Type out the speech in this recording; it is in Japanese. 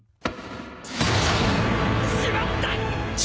しまった！！